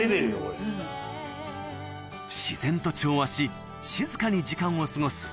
自然と調和し静かに時間を過ごす